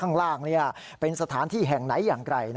ข้างล่างเป็นสถานที่แห่งไหนอย่างไร